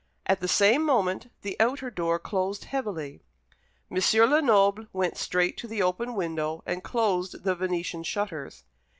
At the same moment the outer door closed heavily. M. Lenoble went straight to the open window and closed the Venetian shutters.